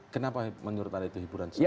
kenapa menurut anda itu hiburan sendiri